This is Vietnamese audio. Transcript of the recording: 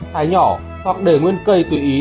thái nhỏ hoặc để nguyên cây tùy ý